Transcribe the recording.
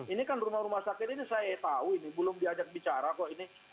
ini kan rumah rumah sakit ini saya tahu ini belum diajak bicara kok ini